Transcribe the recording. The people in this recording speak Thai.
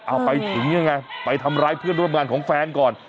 เอาไปถึงยังไงไปทำร้ายเพื่อนร่วมงานของแฟนก่อน